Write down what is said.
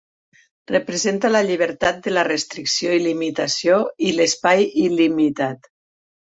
Representa la llibertat de la restricció i limitació, i l'espai il·limitat.